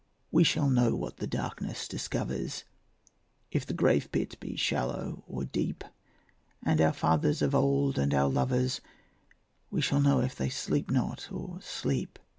We shall know what the darkness discovers, If the grave pit be shallow or deep; And our fathers of old, and our lovers, We shall know if they sleep not or sleep.